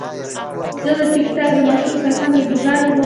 زه د ټک ټاک د مشهورو کسانو ویډیوګانې ګورم.